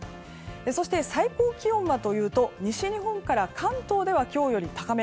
そして、最高気温はというと西日本から関東では今日より高め。